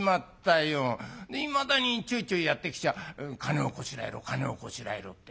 いまだにちょいちょいやって来ちゃ金をこしらえろ金をこしらえろって。